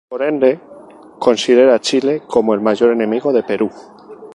Por ende, considera a Chile como el mayor enemigo del Perú.